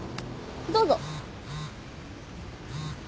どうぞ。